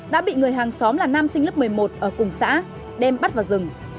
đã bị người hàng xóm là nam sinh lớp một mươi một ở cùng xã đem bắt vào rừng